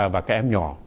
và các em nhỏ